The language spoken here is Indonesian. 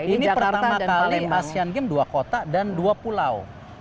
ini pertama kali asean games dua kota dan dua pulau